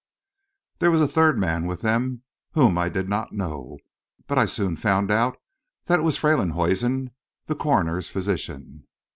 There was a third man with them whom I did not know; but I soon found out that it was Freylinghuisen, the coroner's physician.